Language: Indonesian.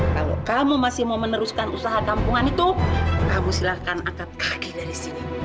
kalau kamu masih mau meneruskan usaha tampungan itu kamu silahkan angkat kaki dari sini